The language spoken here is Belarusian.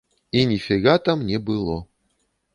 І ніфіга там не было.